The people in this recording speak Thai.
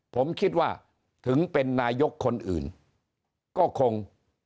ผมคิดว่าถึงเป็นนายกคนอื่นก็คง